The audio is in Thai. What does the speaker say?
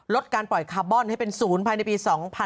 การปล่อยคาร์บอนให้เป็นศูนย์ภายในปี๒๕๖๒